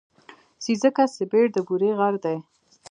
سېځگه سېبت د بوري غر دی.